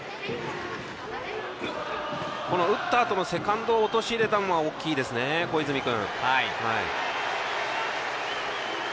打ったあとセカンドを陥れたのは大きいですね、小泉君。